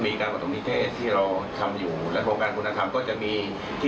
การประถมนิเทศที่เราทำอยู่และโครงการคุณธรรมก็จะมีที่